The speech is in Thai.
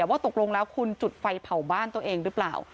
ว่าตกลงแล้วคุณจุดไฟเผาบ้านตัวเองหรือเปล่า